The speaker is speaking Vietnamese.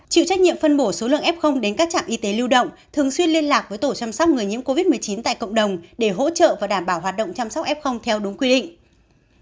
chịu trách nhiệm phân bổ số lượng f đến các trạm y tế lưu động thường xuyên liên lạc với tổ chăm sóc người nhiễm covid một mươi chín tại cộng đồng để hỗ trợ và đảm bảo hoạt động chăm sóc f theo đúng quy định